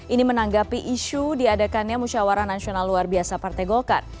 ini menanggapi isu diadakannya musyawara nasional luar biasa partai golkar